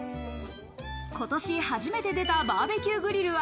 今年初めて出たバーベキューグリルは、